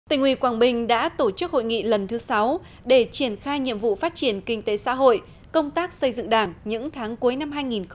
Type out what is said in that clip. tỉnh ủy quảng bình đã tổ chức hội nghị lần thứ sáu để triển khai nhiệm vụ phát triển kinh tế xã hội công tác xây dựng đảng những tháng cuối năm hai nghìn một mươi chín